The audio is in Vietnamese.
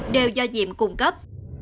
đều do diệm cung cấp